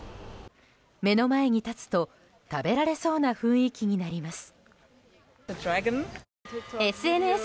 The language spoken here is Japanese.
目の前に立つと、食べられそうな雰囲気になります。